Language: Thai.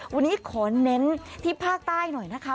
วันนี้ขอเน้นที่ภาคใต้หน่อยนะคะ